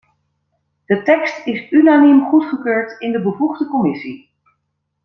De tekst is unaniem goedgekeurd in de bevoegde commissie.